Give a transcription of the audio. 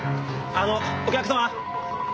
あのお客様？